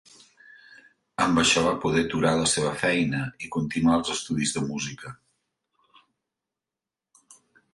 Amb això, va poder aturar la seva feina i continuar els estudis de música.